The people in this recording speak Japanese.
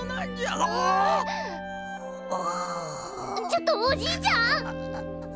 ちょっとおじいちゃん！？